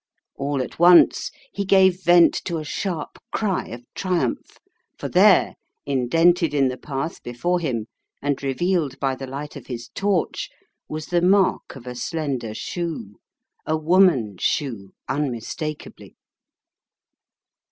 All at once he gave vent to a sharp cry of triumph for there, indented in the path before him and revealed by the light of his torch, was the mark of a slender shoe — a woman's shoe unmistak ably.